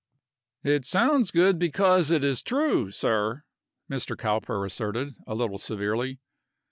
"It sounds good because it is true, sir," Mr. Cowper asserted, a little severely.